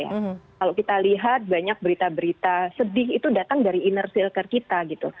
kalau kita lihat banyak berita berita sedih itu datang dari inner cilker kita gitu